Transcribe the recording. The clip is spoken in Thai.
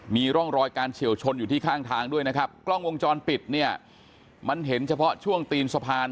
มีร่องรอยการเฉียวชนอยู่ที่ข้างทางด้วยนะครับกล้องวงจรปิดเนี่ยมันเห็นเฉพาะช่วงตีนสะพาน